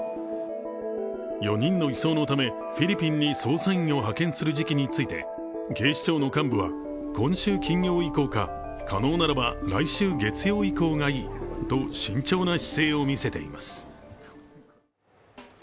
４人の移送のため、フィリピンに捜査員を派遣する時期について警視庁の幹部は、今週金曜以降か、可能ならば来週月曜以降がいいと慎重な姿勢を見せています。